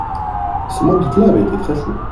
Ce mois d'août-là avait été très chaud.